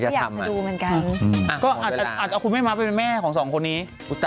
ผมอาจอาจเอาคุณแม่มา่ไปเป็นแม่ของสองคนนี้